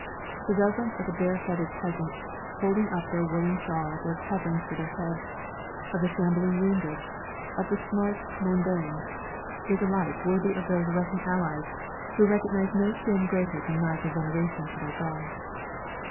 The reverence of the bare headed peasants, holding up their woollen shawls as coverings for their heads, of the shambling wounded, of the smart mondaines, is alike worthy of those Russian allies who recognise no sin greater than lack of veneration to their God.